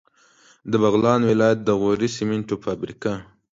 د بغلان ولایت د غوري سیمنټو فابریکه